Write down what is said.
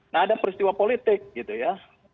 nah ada peristiwa politik gitu ya